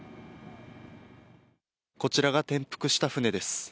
こちらが転覆した船です。